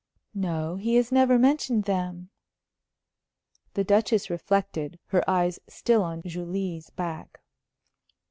"No. He has never mentioned them." The Duchess reflected, her eyes still on Julie's back.